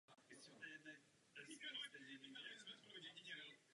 Plán je také kritizován Evropskou unií.